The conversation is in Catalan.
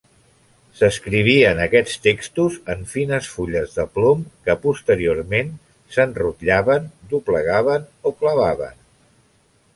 S'escrivien aquests textos en fines fulles de plom que posteriorment s'enrotllaven, doblegaven o clavaven.